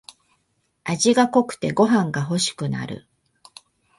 味が濃くてご飯がほしくなる